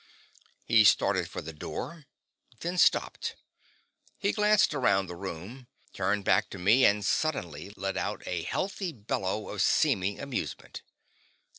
Hal started for the door, then stopped. He glanced around the room, turned back to me, and suddenly let out a healthy bellow of seeming amusement.